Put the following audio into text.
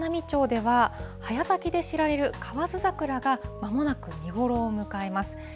町では、早咲きで知られる河津桜がまもなく見頃を迎えます。